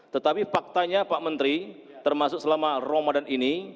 tetapi faktanya pak menteri termasuk selama ramadan ini